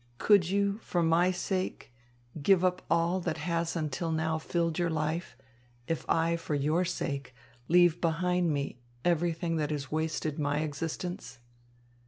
Could you for my sake give up all that has until now filled your life, if I for your sake leave behind me everything that has wasted my existence?